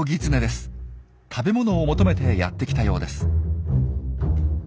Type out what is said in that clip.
食べ物を求めてやってきたようです。